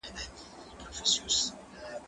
زه بايد کتاب وليکم؟؟